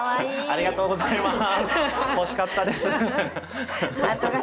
ありがとうございます。